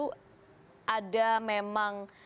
sehingga selalu ujung tombak pertama yang diserang itu pasti polisi